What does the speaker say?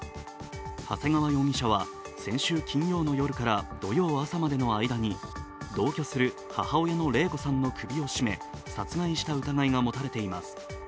長谷川容疑者は、先週金曜の夜から土曜朝までの間に同居する母親の麗子さんの首を絞め殺害した疑いがもたれています。